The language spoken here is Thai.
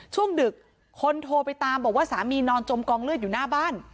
ช่วงดึกคนโทรไปตามบอกว่าสามีนอนจมกองเลือดอยู่หน้าบ้าน